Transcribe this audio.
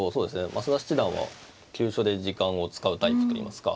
増田七段は急所で時間を使うタイプといいますか。